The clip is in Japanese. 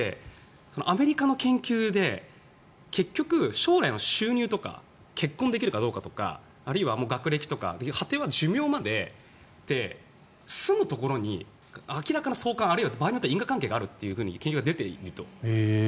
アメリカの研究で結局、将来の収入とか結婚できるかどうかとかあるいは、学歴とか果ては寿命までって住むところに明らかな相関あるいは場合によっては因果関係があると研究が出ていると。